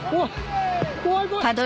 怖い怖い！